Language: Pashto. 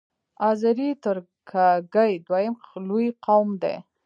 آذری ترکګي دویم لوی قوم دی.